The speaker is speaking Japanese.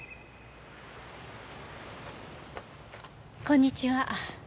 こんにちは。